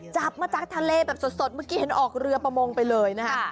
จับมาจากทะเลแบบสดเมื่อกี้เห็นออกเรือประมงไปเลยนะคะ